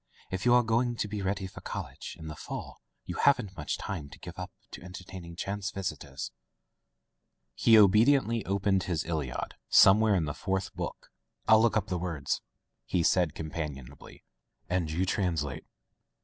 "If you are going to be ready for college in the fall you haven't much time to give up to entertaining chance visitors." [ 305 ] Digitized by LjOOQ IC Interventions He obediently opened his ''Iliad'' some where in the fourth book. "FU look up the words/' he said com panionably, "and you translate."